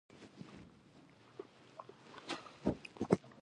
د بدن په ښکاره غړو نه ترسره کېږي.